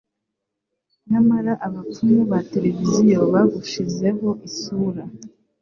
nyamara abapfumu ba tereviziyo bagushizeho isura